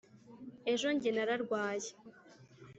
ejo njye nararwaye